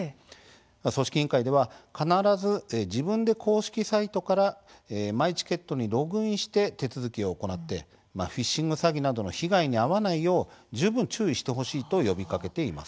組織委員会では必ず自分で公式サイトからマイチケットにログインして手続きを行ってフィッシング詐欺などの被害に遭わないよう十分注意してほしいと呼びかけています。